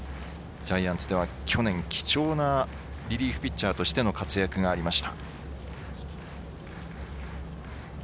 ジャイアンツでは去年貴重なリリーフピッチャーとしての活躍がありました。